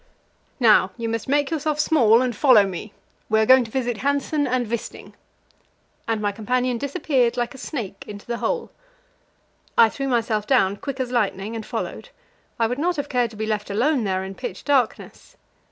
"Now you must make yourself small and follow me; we are going to visit Hanssen and Wisting." And my companion disappeared like a snake into the hole. I threw myself down, quick as lightning, and followed. I would not have cared to be left alone there in pitch darkness.